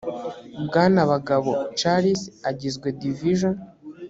bwana bagabo charles agizwe division